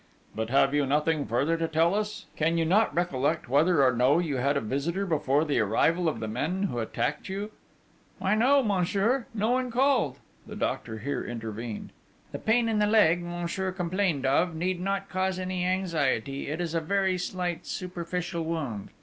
'But have you nothing further to tell us? Can you not recollect whether or no you had a visitor before the arrival of the men who attacked you?' 'Why, no, monsieur, no one called.' The doctor here intervened: 'The pain in the leg, Monsieur Dollon complained of, need not cause any anxiety. It is a very slight superficial wound.